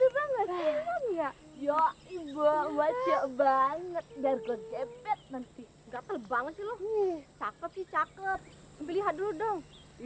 banget ya ibu wajah banget bergojepet nanti banget sih loh cakep cakep lihat dulu dong